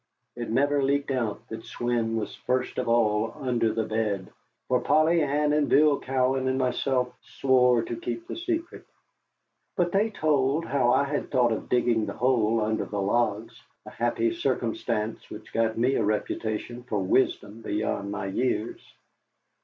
It never leaked out that Swein was first of all under the bed, for Polly Ann and Bill Cowan and myself swore to keep the secret. But they told how I had thought of digging the hole under the logs a happy circumstance which got me a reputation for wisdom beyond my years.